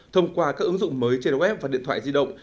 thông qua các ứng dụng mới trên web và điện thoại di động